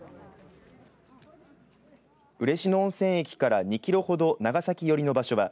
嬉野温泉駅から２キロほど長崎寄りの場所では